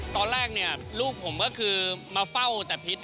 ตอนแรกเนี่ยลูกผมก็คือมาเฝ้าแต่พิษ